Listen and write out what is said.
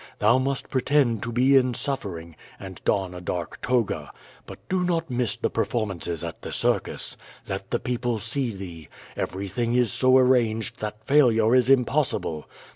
Thou must pretend to be in suffering, and don a dark toga. But do not miss the performances at the circus. Let the people see thee. Everything is so arranged that failure is impossible.